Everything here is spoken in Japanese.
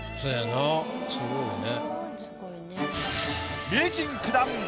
すごいよね。